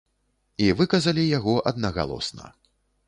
І выказалі яго аднагалосна.